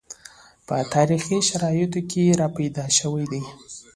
په تاریخي شرایطو کې راپیدا شوي دي